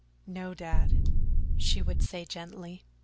"No, Dad," she would say gently.